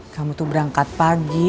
kamu tuh berangkat pagi